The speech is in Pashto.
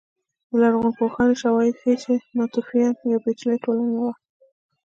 د لرغونپوهنې شواهد ښيي چې ناتوفیان یوه پېچلې ټولنه وه